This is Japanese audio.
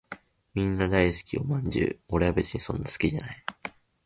みんな大好きお饅頭